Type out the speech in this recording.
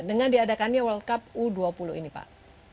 dengan diadakannya world cup u dua puluh ini pak